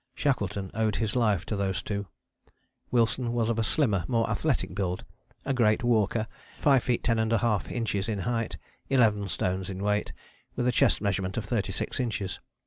Shackleton owed his life to those two. Wilson was of a slimmer, more athletic build, a great walker, 5 feet 10½ inches in height, 11 stones in weight, with a chest measurement of 36 inches.